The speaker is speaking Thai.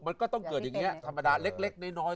มันก็ต้องเกิดอย่างนี้ธรรมดาเล็กน้อย